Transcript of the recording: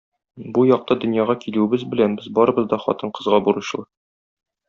Бу якты дөньяга килүебез белән без барыбыз да хатын-кызга бурычлы.